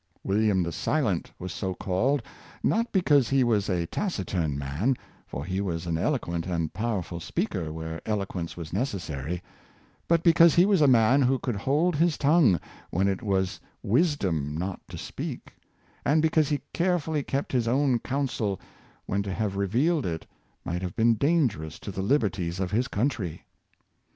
William the Si lent was so called, not because he was a taciturn man, for he was an eloquent and powerful speaker where eloquence was necessary, but because he was a man who could hold his tongue when it was wisdom not to speak, and because he carefully kept his own counsel when to have revealed it might have been dangerous to the liberties of his country.